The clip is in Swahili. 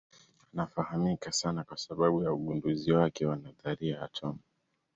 Anafahamika sana kwa sababu ya ugunduzi wake wa nadharia ya atomu.